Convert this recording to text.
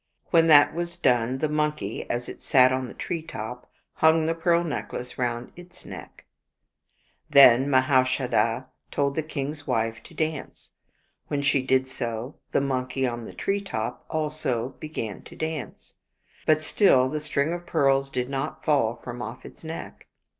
When that was done, the monkey, as it sat on the tree top, hung the pearl necklace round its neck. Then Mahaushadha told the king's wife to dance. When she did so, the monkey on the tree top also began to dance ; but still the string of pearls did not fall from off its neck.